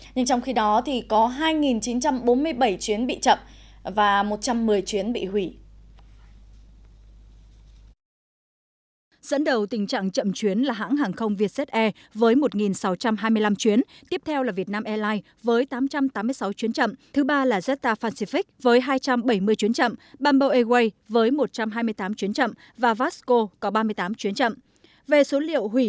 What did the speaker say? nhưng trong khi đó có hai chín trăm bốn mươi bảy chuyến bị chậm và một trăm một mươi chuyến bị hủy